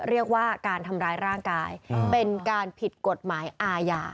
เรียกว่าการทำร้ายร่างกายเป็นการผิดกฎหมายอาญา